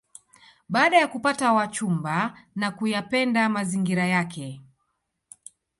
Baada ya kupata wachumba na kuyapenda mazingira yake